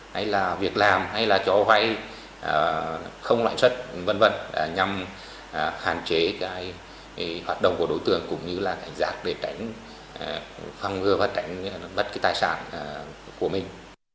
hay là việc làm hay là cho hoại không loại xuất v v nhằm hạn chế hoạt động của đối tượng cũng như là cảnh giác để tránh phòng ngừa và tránh bất kỳ tài sản của mình